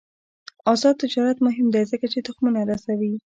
آزاد تجارت مهم دی ځکه چې تخمونه رسوي.